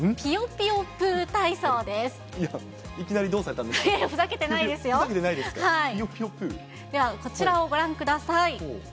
ぴではこちらをご覧ください。